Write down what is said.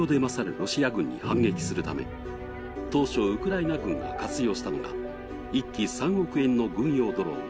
ロシア軍に反撃するため当初ウクライナ軍が活用したのが１機３億円の軍用ドローン。